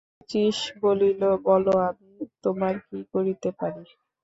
শচীশ বলিল, বলো আমি তোমার কী করিতে পারি?